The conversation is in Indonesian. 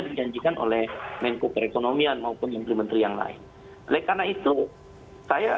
dijanjikan oleh menko perekonomian maupun menteri menteri yang lain oleh karena itu saya